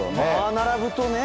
並ぶとね。